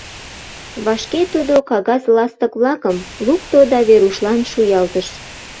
Вашке тудо кагаз ластык-влакым лукто да Верушлан шуялтыш.